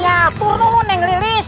iya turun neng lilis